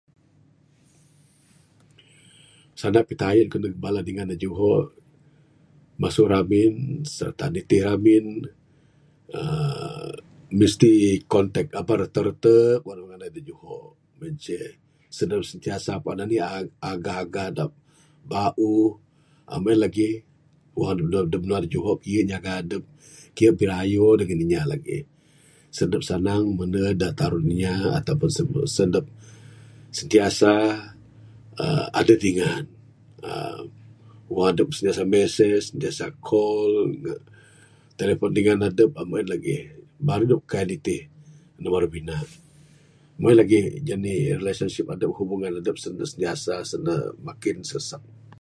Sanda pitayen aku neg bala dingan ku da juho masu ramin sirata nitih ramin uhh mesti contact aba retek retek wang adep nganai da juho meng en ceh sen adep sentiasa puan anih agah agah da bauh uhh meng en lagih wang adep mene da binua da juho kiye nyaga adep kiye birayo dangan inya lagih...sen adep sanang mene da tarun inya ataupun sen adep sentiasa uhh adeh dingan uhh wang adep sentiasa mesej sentiasa call telepon dingan adep meng en lagih baru adep kaii nitih da maru bina...meng en lagih janik relationship adep hubungan adep sen ne sentiasa sen ne makin sesek.